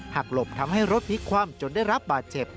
หลบทำให้รถพลิกคว่ำจนได้รับบาดเจ็บ